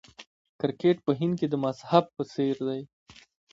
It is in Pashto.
کرکټ په هند کې د مذهب په څیر دی.